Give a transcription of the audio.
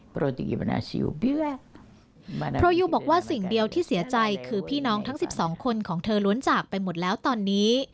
โปรยูบอกว่าสิ่งเดียวที่เสียใจคือพี่น้องทั้ง๑๒คนของเธอล้วนจากไปหมดแล้วตอนนี้